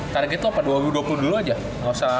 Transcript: target itu apa dua ribu dua puluh dulu aja